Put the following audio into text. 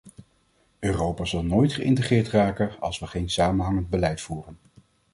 Europa zal nooit geïntegreerd raken als we geen samenhangend beleid voeren.